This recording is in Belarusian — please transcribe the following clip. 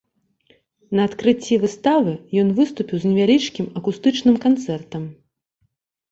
На адкрыцці выставы ён выступіў з невялічкім акустычным канцэртам.